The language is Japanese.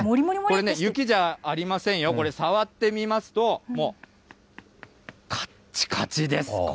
これ、雪じゃありませんよ、これ、触ってみますと、もうかっちかちです。